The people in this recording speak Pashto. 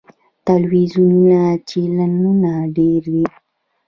ټلویزیوني چینلونه ډیر دي.